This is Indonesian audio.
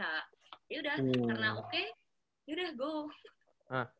yaudah karena oke yaudah go